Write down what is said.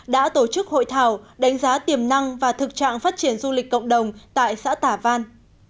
đã tổ chức hội thảo đánh giá tiềm năng và thực trạng phát triển du lịch cộng đồng tại xã tả văn